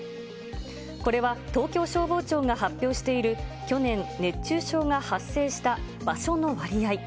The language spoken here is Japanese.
これは東京消防庁が発表している、去年、熱中症が発生した場所の割合。